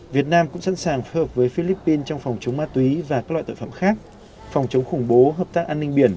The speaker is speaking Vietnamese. việt nam cũng sẵn sàng phối hợp với philippines trong phòng chống ma túy và các loại tội phạm khác phòng chống khủng bố hợp tác an ninh biển